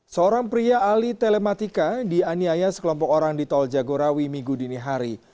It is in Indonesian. seorang pria ahli telematika dianiaya sekelompok orang di tol jagorawi minggu dini hari